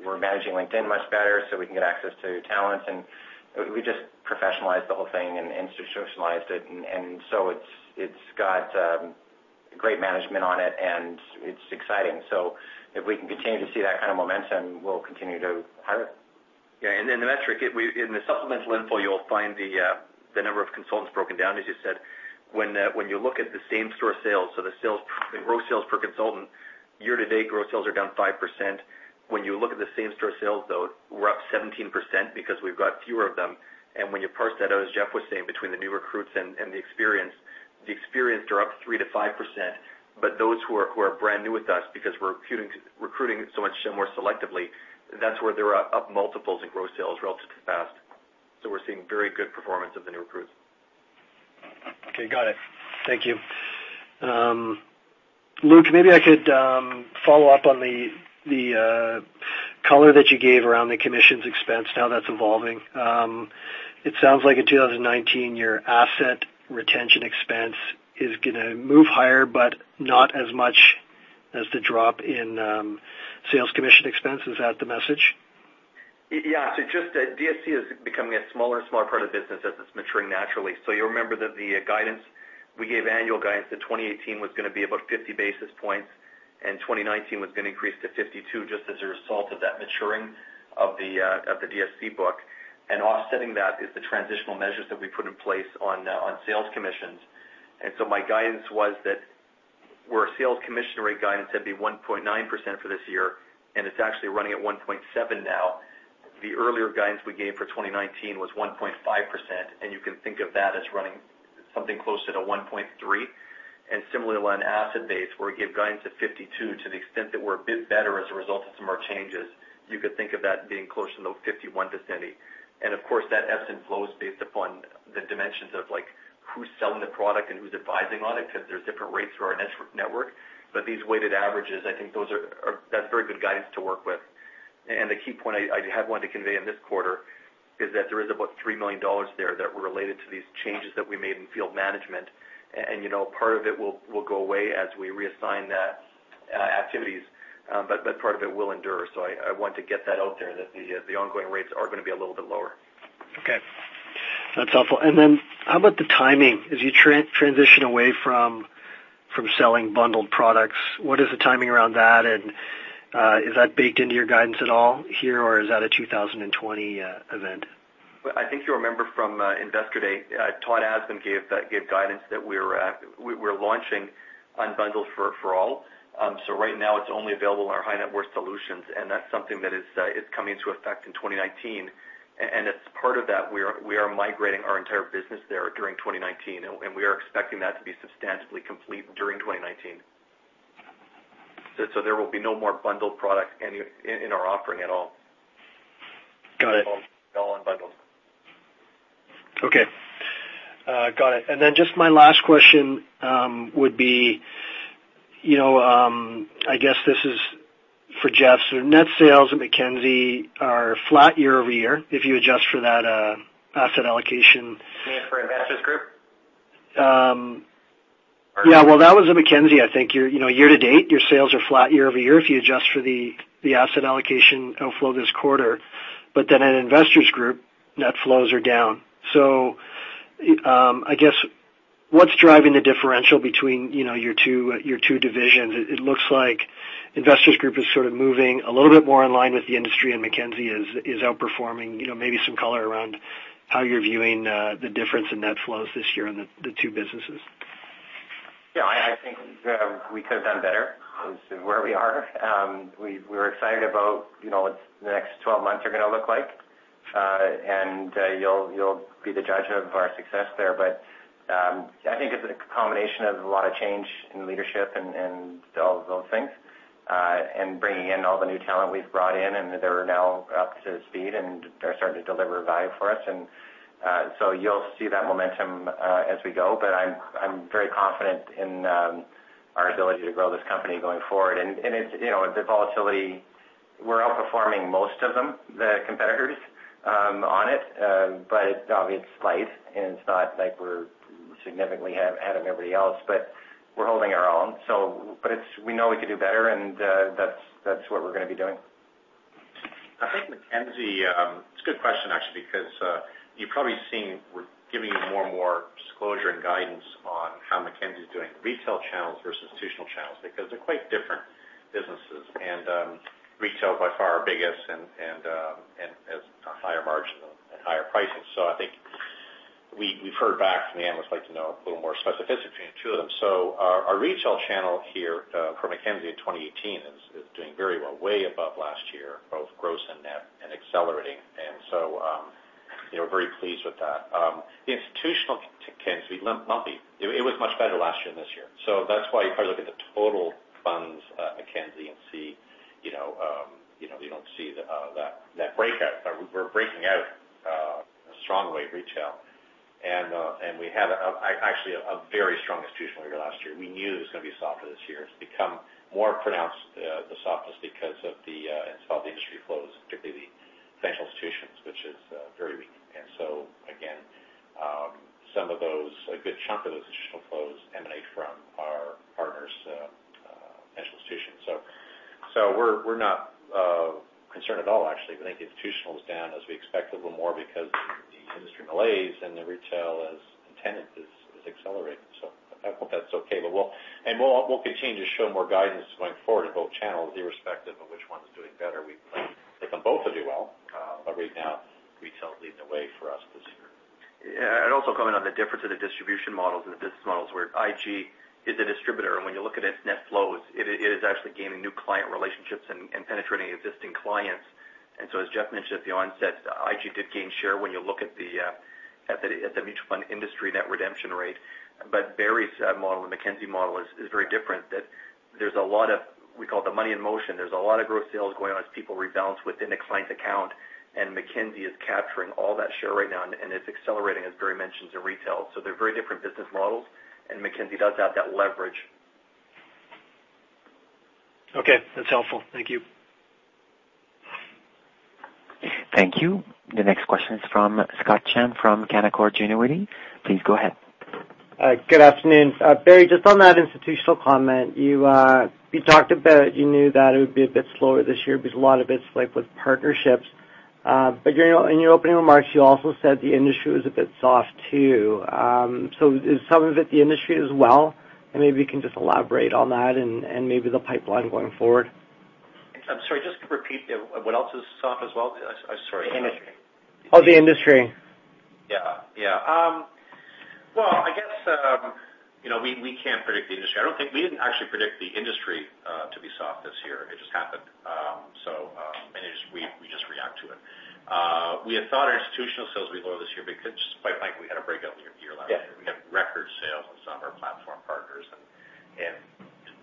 we're managing LinkedIn much better, so we can get access to talent. And we just professionalized the whole thing and institutionalized it. And so it's got great management on it, and it's exciting. So if we can continue to see that kind of momentum, we'll continue to hire. Yeah, and then the metric, in the supplemental info, you'll find the, the number of consultants broken down, as you said. When you look at the same store sales, so the sales, the growth sales per consultant, year-to-date growth sales are down 5%. When you look at the same store sales, though, we're up 17% because we've got fewer of them. And when you parse that out, as Jeff was saying, between the new recruits and the experienced, the experienced are up 3%-5%. But those who are brand new with us, because we're recruiting so much more selectively, that's where they're up multiples in growth sales relative to the past. So we're seeing very good performance of the new recruits. Okay, got it. Thank you. Luke, maybe I could follow up on the color that you gave around the commissions expense, how that's evolving. It sounds like in 2019, your asset retention expense is going to move higher, but not as much as the drop in sales commission expense. Is that the message? Yeah, so just that DSC is becoming a smaller and smaller part of the business as it's maturing naturally. So you remember that the guidance, we gave annual guidance that 2018 was going to be about 50 basis points, and 2019 was going to increase to 52, just as a result of that maturing of the, of the DSC book. And offsetting that is the transitional measures that we put in place on, on sales commissions. And so my guidance was that where our sales commission rate guidance had been 1.9% for this year, and it's actually running at 1.7% now, the earlier guidance we gave for 2019 was 1.5%, and you can think of that as running something closer to 1.3. And similarly, on asset base, where we gave guidance at 52, to the extent that we're a bit better as a result of some of our changes, you could think of that being closer to 51 to 70. And of course, that essence flows based upon the dimensions of, like, who's selling the product and who's advising on it, because there's different rates through our network. But these weighted averages, I think those are, that's very good guidance to work with. And the key point I had wanted to convey in this quarter is that there is about 3 million dollars there that were related to these changes that we made in field management. And, you know, part of it will go away as we reassign that activities, but part of it will endure. So I want to get that out there, that the ongoing rates are going to be a little bit lower. Okay. That's helpful. And then how about the timing? As you transition away from selling bundled products, what is the timing around that, and is that baked into your guidance at all here, or is that a 2020 event? Well, I think you remember from Investor Day, Todd Asman gave guidance that we're launching unbundled for all. So right now, it's only available in our high net worth solutions, and that's something that is coming into effect in 2019. And as part of that, we are migrating our entire business there during 2019, and we are expecting that to be substantially complete during 2019. So there will be no more bundled products in our offering at all. Got it. All unbundled. Okay. Got it. And then just my last question would be, you know, I guess this is for Jeff. So net sales at Mackenzie are flat year-over-year, if you adjust for that, asset allocation. You mean for Investors Group? Yeah, well, that was in Mackenzie, I think. Your, you know, year to date, your sales are flat year over year, if you adjust for the asset allocation outflow this quarter. But then at Investors Group, net flows are down. So, I guess, what's driving the differential between, you know, your two divisions? It looks like Investors Group is sort of moving a little bit more in line with the industry, and Mackenzie is outperforming. You know, maybe some color around how you're viewing the difference in net flows this year in the two businesses. Yeah, I think we could have done better as to where we are. We're excited about, you know, what the next 12 months are going to look like. You'll be the judge of our success there. But I think it's a combination of a lot of change in leadership and all of those things, and bringing in all the new talent we've brought in, and they are now up to speed, and they're starting to deliver value for us. So you'll see that momentum as we go. But I'm very confident in our ability to grow this company going forward. And it's, you know, the volatility, we're outperforming most of them, the competitors, on it. But obviously it's slight, and it's not like we're significantly ahead of everybody else, but we're holding our own. So but it's we know we could do better, and that's, that's what we're going to be doing. I think Mackenzie. It's a good question, actually, because you've probably seen we're giving you more and more disclosure and guidance on how Mackenzie is doing, retail channels versus institutional channels, because they're quite different businesses. And retail by far our biggest and has a higher margin and higher pricing. So I think we, we've heard back from the analysts, like to know a little more specificity between the two of them. So our retail channel here for Mackenzie in 2018 is doing very well, way above last year, both gross and net, and accelerating. And so you know, very pleased with that. The institutional to Mackenzie, not be it, it was much better last year than this year. So that's why you probably look at the total funds, Mackenzie, and see, you know, you don't see that breakout. We're breaking out in a strong way, retail. And we had actually a very strong institutional year last year. We knew it was going to be softer this year. It's become more pronounced, the softness, because of the industry flows, particularly the financial institutions, which is very weak. And so again, some of those, a good chunk of those institutional flows emanate from our partners, financial institutions. So we're not concerned at all, actually. I think institutional is down as we expected, a little more because the industry malaise and the retail, as intended, is accelerating. So I hope that's okay. But we'll. We'll continue to show more guidance going forward in both channels, irrespective of which one is doing better. We plan for them both to do well, but right now, retail is leading the way for us this year. Yeah, I'd also comment on the difference in the distribution models and the business models, where IG is a distributor, and when you look at its net flows, it is, it is actually gaining new client relationships and, and penetrating existing clients. And so, as Jeff mentioned at the onset, IG did gain share when you look at the, at the, at the mutual fund industry net redemption rate. But Barry's model, and Mackenzie model is, is very different, that, there's a lot of, we call it the money in motion. There's a lot of growth sales going on as people rebalance within a client account, and Mackenzie is capturing all that share right now, and it's accelerating, as Barry mentioned, in retail. So they're very different business models, and Mackenzie does have that leverage. Okay, that's helpful. Thank you. Thank you. The next question is from Scott Chan from Canaccord Genuity. Please go ahead. Good afternoon. Barry, just on that institutional comment, you, you talked about you knew that it would be a bit slower this year because a lot of it's like with partnerships. But during your in your opening remarks, you also said the industry was a bit soft, too. So is some of it the industry as well? And maybe you can just elaborate on that and maybe the pipeline going forward. I'm sorry, just to repeat, what else is soft as well? I, I'm sorry. Oh, the industry. Yeah. Yeah. Well, I guess, you know. We can't predict the industry. I don't think we didn't actually predict the industry to be soft this year. It just happened. So, and it just we just react to it. We had thought our institutional sales would be lower this year because, quite frankly, we had a breakout year last year. Yeah. We had record sales on some of our platform partners, and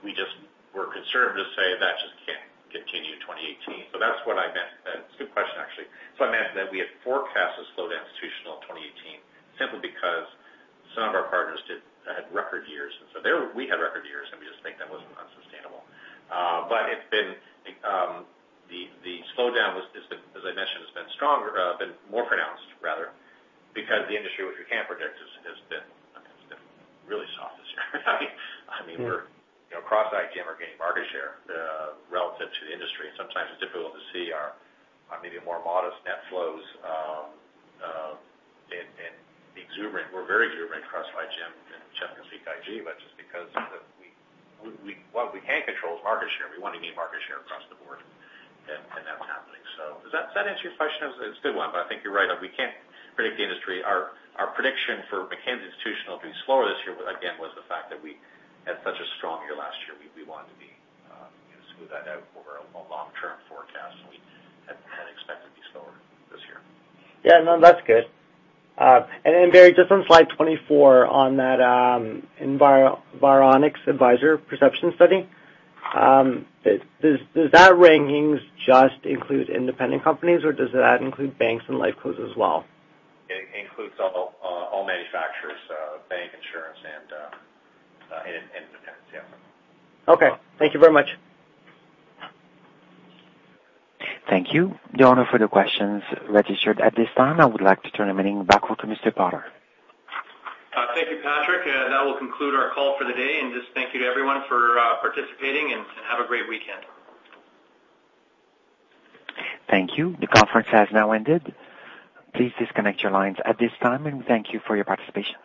we just were concerned to say that just can't continue in 2018. So that's what I meant. Good question, actually. So I meant that we had forecasted a slowdown institutional in 2018, simply because some of our partners did had record years. And so there we had record years, and we just think that wasn't unsustainable. But it's been the slowdown was is the, as I mentioned, has been stronger, been more pronounced, rather, because the industry, which we can't predict, has been really soft this year. I mean, we're, you know, across IGM, we're gaining market share relative to the industry. Sometimes it's difficult to see our maybe more modest net flows and be exuberant. We're very exuberant across IGM and Mack IG, but what we can control is market share. We want to gain market share across the board, and that's happening. So does that answer your question? It's a good one, but I think you're right. We can't predict the industry. Our prediction for Mackenzie institutional to be slower this year, again, was the fact that we had such a strong year last year. We wanted to be, you know, smooth that out over a more long-term forecast, and we had expected to be slower this year. Yeah, no, that's good. And then, Barry, just on slide 24, on that Environics Advisor Perception Study, does that rankings just include independent companies, or does that include banks and LifeCos as well? It includes all manufacturers, bank, insurance, and independents, yeah. Okay. Thank you very much. Thank you. No other further questions registered at this time. I would like to turn the meeting back over to Mr. Potter. Thank you, Patrick. That will conclude our call for the day, and just thank you to everyone for participating, and have a great weekend. Thank you. The conference has now ended. Please disconnect your lines at this time, and we thank you for your participation.